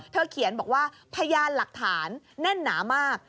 เขียนบอกว่าพยานหลักฐานแน่นหนามาก